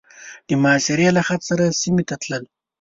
د محاصرې له خط سره سمې تلې.